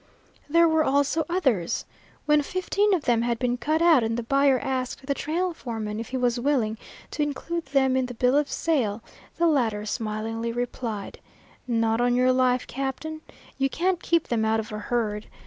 There were also others; when fifteen of them had been cut out and the buyer asked the trail foreman if he was willing to include them in the bill of sale, the latter smilingly replied: "Not on your life, Captain. You can't keep them out of a herd.